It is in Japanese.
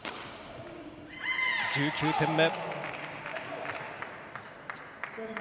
１９点目。